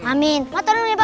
amin makasih ya pak